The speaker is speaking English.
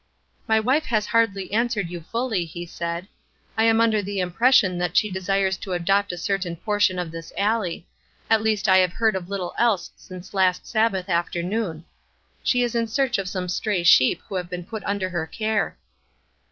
"My wife has hardly answered you fully," he said. "I am under the impression that she desires to adopt a certain portion of this alley; at least I have heard of little else since last Sabbath afternoon. She is in search of some stray sheep who have been put under her care."